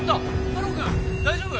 太郎くん大丈夫？